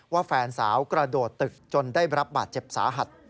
แฟนสาวกระโดดตึกจนได้รับบาดเจ็บสาหัส